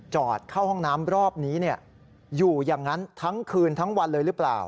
จอดเข้าห้องน้ำรอบนี้อยู่อย่างนั้นทั้งคืนทั้งวันเลยหรือเปล่า